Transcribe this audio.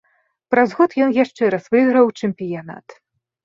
Праз год ён яшчэ раз выйграў чэмпіянат.